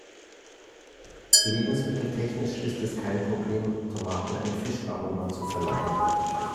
Lebensmitteltechnisch ist es kein Problem, Tomaten ein Fischaroma zu verleihen.